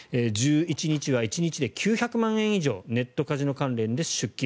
１１日は１日で９００万円以上ネットカジノ関連で出金。